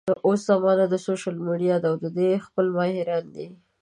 اوس زمانه د سوشل ميډيا ده او د دې خپل ماهران دي